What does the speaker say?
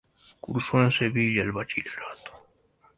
Cursó en Sevilla el bachillerato.